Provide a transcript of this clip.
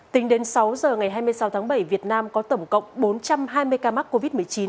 tính đến sáu giờ ngày hai mươi sáu tháng bảy việt nam có tổng cộng bốn trăm hai mươi ca mắc covid một mươi chín